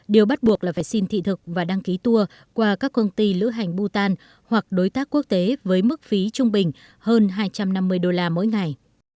điều bắt buộc là phải xin thị thực và đăng ký tour qua các công ty lữ hành bhutan hoặc đối tác quốc tế với mức phí trung bình hơn hai trăm năm mươi đô la mỗi ngày